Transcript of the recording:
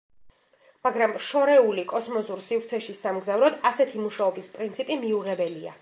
მაგრამ შორეული კოსმოსურ სივრცეში სამგზავროდ ასეთი მუშაობის პრინციპი მიუღებელია.